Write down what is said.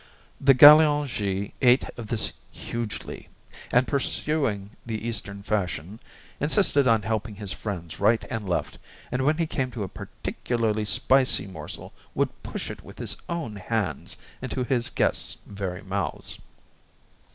The Galeongee ate of this hugely; and pursuing the Eastern fashion, insisted on helping his friends right and left, and when he came to a particularly spicy morsel, would push it with his own hands into his guests' very mouths.